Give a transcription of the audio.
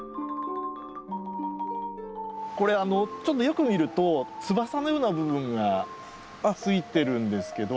これよく見ると翼のような部分がついてるんですけど。